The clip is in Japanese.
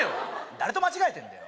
誰と間違えてんだよ